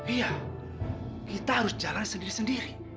iya kita harus jalan sendiri sendiri